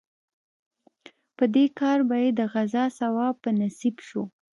په دې کار به یې د غزا ثواب په نصیب شو.